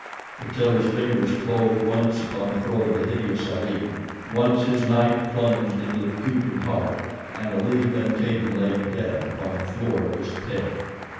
The Killer's fingers closed once upon the throat of the hideous Ali. Once his knife plunged into the putrid heart—and Ali ben Kadin lay dead upon the floor of his tent.